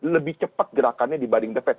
lebih cepat gerakannya dibanding the fed